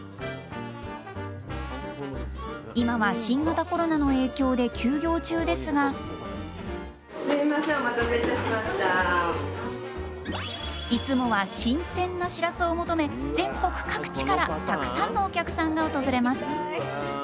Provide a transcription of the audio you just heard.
今は新型コロナの影響で休業中ですがいつもは新鮮なしらすを求め全国各地からたくさんのお客さんが訪れます。